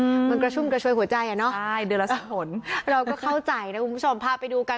อืมมันกระชุ่มกระชวยหัวใจอ่ะเนอะใช่เดือนละสนเราก็เข้าใจนะคุณผู้ชมพาไปดูกัน